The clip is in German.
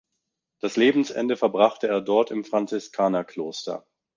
Das Lebensende verbrachte er dort im Franziskanerkloster.